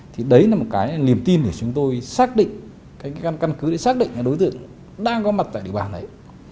thì đấy là một cái niềm tin để chúng tôi xác định cái căn cứ để xác định là đối tượng đang có mặt tại địa bàn đấy